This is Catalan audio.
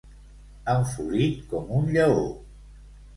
Enfurit com un lleó.